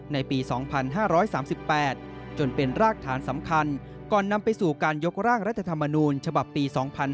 ในปี๒๕๓๘จนเป็นรากฐานสำคัญก่อนนำไปสู่การยกร่างรัฐธรรมนูญฉบับปี๒๕๕๙